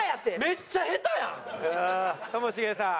めっちゃ下手やん！ともしげさん。